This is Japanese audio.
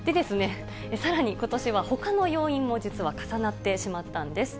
さらにことしはほかの要因も実は重なってしまったんです。